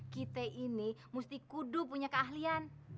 kita ini mesti kudu punya keahlian